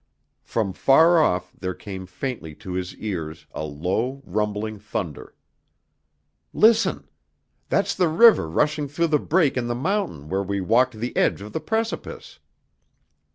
From far off there came faintly to his ears a low, rumbling thunder. "Listen! That's the river rushing through the break in the mountain where we walked the edge of the precipice!"